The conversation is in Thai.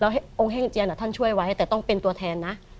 องค์แห้งเจียนท่านช่วยไว้แต่ต้องเป็นตัวแทนนะ